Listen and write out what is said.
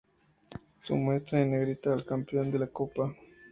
Se muestra en negrita al campeón de la Copa.